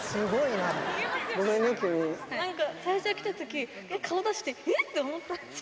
なんか最初来たとき、顔出して、えって思ったんですよ。